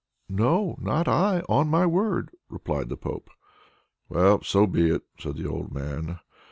"No, not I, on my word!" replied the Pope. "Well, so be it," said the old man.